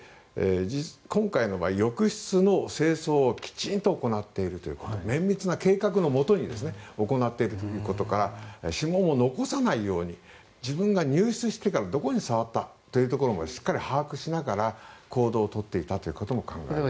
今回の場合、浴室の清掃をきちんと行っているということ綿密な計画のもとに行っているということから指紋を残さないように自分が入室してからどこに触ったかということもしっかり把握しながら行動を取っていたことも考えられます。